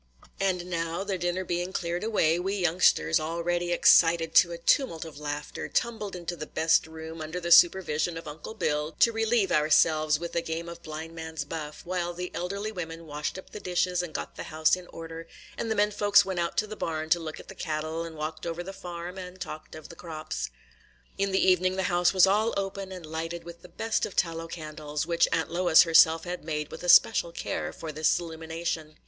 And now, the dinner being cleared away, we youngsters, already excited to a tumult of laughter, tumbled into the best room, under the supervision of Uncle Bill, to relieve ourselves with a game of "blind man's buff," while the elderly women washed up the dishes and got the house in order, and the men folks went out to the barn to look at the cattle, and walked over the farm and talked of the crops. In the evening the house was all open and lighted with the best of tallow candles, which Aunt Lois herself had made with especial care for this illumination.